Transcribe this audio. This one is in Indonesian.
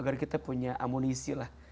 agar kita punya amunisi lah